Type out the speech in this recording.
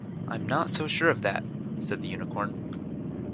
‘I’m not so sure of that,’ said the Unicorn.